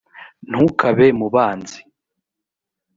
ntukabe mu banzi